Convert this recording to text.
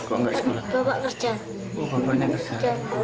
oh bapaknya kerja